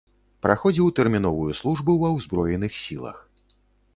Праходзіў тэрміновую службу ва ўзброеных сілах.